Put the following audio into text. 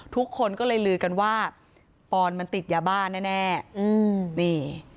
ทุกคนก็เลยลือกันว่าปอนมันติดยาบ้าแน่แน่อืมนี่